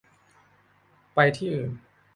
ไปที่อื่น